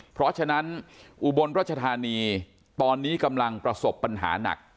เพราะฉะนั้นอุบลรัชธานีตอนนี้กำลังประสบปัญหาหนัก